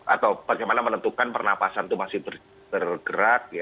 atau bagaimana menentukan pernapasan itu masih bergerak